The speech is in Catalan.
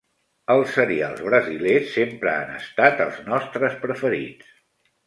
Els serials brasilers sempre han estat els nostres preferits.